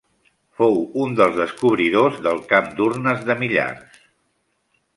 Fou un dels descobridors del camp d'urnes de Millars.